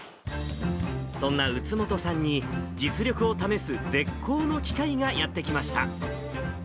そんな宇津本さんに、実力を試す絶好の機会がやって来ました。